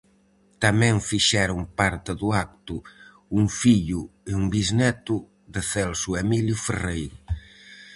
Tamén fixeron parte do acto un fillo e un bisneto de Celso Emilio Ferreiro.